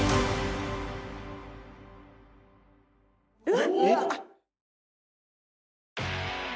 えっ？